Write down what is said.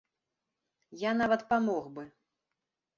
Я нават памог бы.